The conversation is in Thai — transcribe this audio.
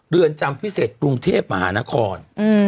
เรือนจำพิเศษกรุงเทพมหานคร